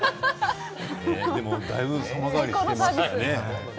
でも、だいぶ様変わりしているんですね。